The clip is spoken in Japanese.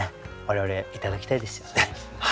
我々いただきたいですよね。